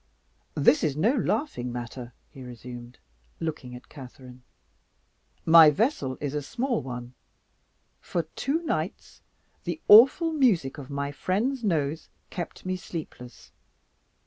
"This is no laughing matter," he resumed, looking at Catherine. "My vessel is a small one. For two nights the awful music of my friend's nose kept me sleepless.